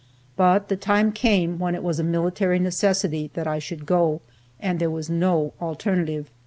But the time came when it was a military necessity that I should go, and there was no alternative.